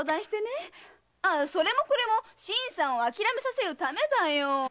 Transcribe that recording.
ああそれもこれも新さんをあきらめさせるためだよ。